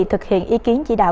thực hiện ý kiến chỉ đạo